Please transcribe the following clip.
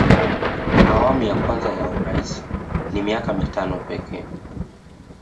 awamu ya kwanza ya urais ni miaka mitano pekee